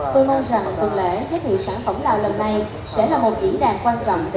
tôi mong rằng tuần lễ giới thiệu sản phẩm lào lần này sẽ là một diễn đàn quan trọng